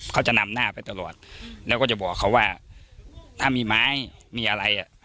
เขาจะนำหน้าไปตลอดแล้วก็จะบอกเขาว่าถ้ามีไม้มีอะไรอ่ะ